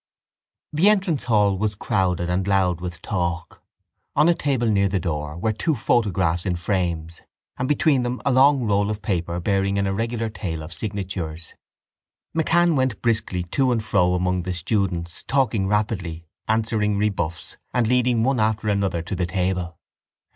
The entrance hall was crowded and loud with talk. On a table near the door were two photographs in frames and between them a long roll of paper bearing an irregular tail of signatures. MacCann went briskly to and fro among the students, talking rapidly, answering rebuffs and leading one after another to the table.